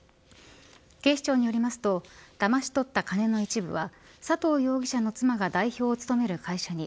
警視庁によりますとだまし取った金の一部は佐藤容疑者の妻が代表を務める会社に